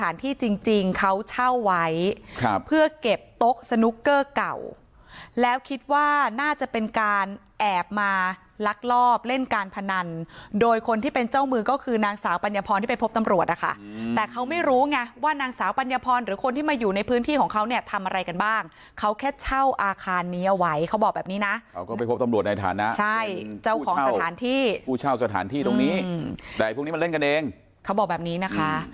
ของสถานที่จริงเขาเช่าไว้เพื่อเก็บต๊กสนุคเกอร์เก่าแล้วคิดว่าน่าจะเป็นการแอบมาลักลอบเล่นการพนันโดยคนที่เป็นเจ้ามือก็คือนางสาวปัญญพรที่ไปพบตำรวจนะคะแต่เขาไม่รู้ไงว่านางสาวปัญญพรหรือคนที่มาอยู่ในพื้นที่ของเขาเนี่ยทำอะไรกันบ้างเขาแค่เช่าอาคารนี้ไว้เขาบอกแบบนี้นะเขาก็ไปพบตำรวจในฐานะ